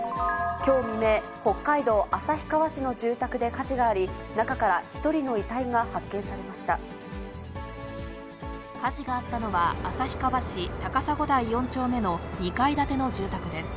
きょう未明、北海道旭川市の住宅で火事があり、中から１人の遺体が発見されまし火事があったのは、旭川市高砂台４丁目の２階建ての住宅です。